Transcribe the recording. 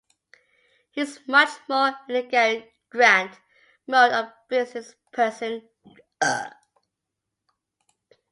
He's much more in the Cary Grant mode of business person.